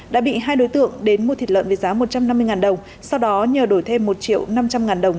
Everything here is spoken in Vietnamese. đã bị hai đối tượng đến mua thịt lợn với giá một trăm năm mươi đồng sau đó nhờ đổi thêm một triệu năm trăm linh ngàn đồng